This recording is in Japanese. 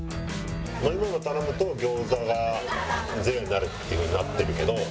飲み物頼むと餃子が０円になるっていう風になってるけど。